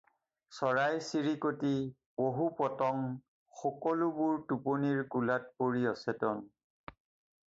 চৰাই-চিৰিকতি, পহু পতং সকলোবোৰ টোপনিৰ কোলাত পৰি অচেতন।